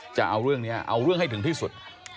จะเอาเรื่องนี้เอาเรื่องให้ถึงที่สุด